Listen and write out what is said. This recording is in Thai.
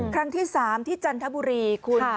ครั้งที่๓ที่จันทบุรีคุณ